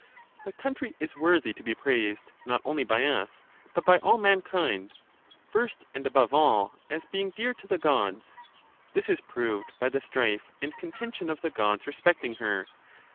The country is worthy to be praised, not only by us, but by all mankind ; first, and above all, as being dear to the Gods. This is proved by the strife and contention of the Gods respecting her.